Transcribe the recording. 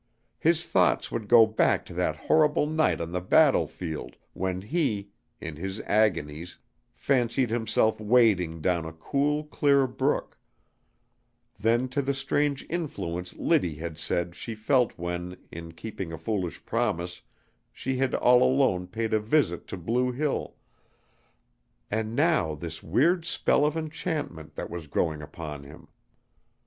His thoughts would go back to that horrible night on the battlefield when he, in his agonies, fancied himself wading down a cool, clear brook; then to the strange influence Liddy had said she felt when, in keeping a foolish promise, she had all alone paid a visit to Blue Hill, and now this weird spell of enchantment that was growing upon him.